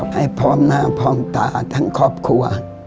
ให้พร้อมหน้าพร้อมตาทั้งครอบครัว